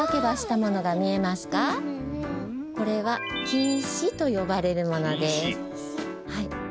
これは「きんし」とよばれるものです。